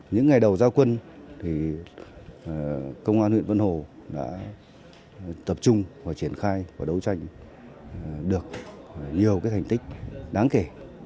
những ngày đầu giao quân công an huyện vân hồ đã tập trung và triển khai và đấu tranh được nhiều thành tích đáng kể